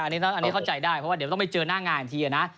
อันนี้เข้าใจได้เพราะว่าเดี๋ยวต้องไปเจอหน้างานอีกทีนะ